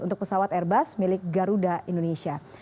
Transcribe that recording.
untuk pesawat airbus milik garuda indonesia